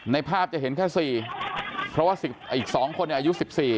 ภาพจะเห็นแค่๔เพราะว่าอีก๒คนอายุ๑๔